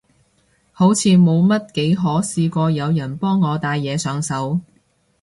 好似冇乜幾可試過有人幫我戴嘢上手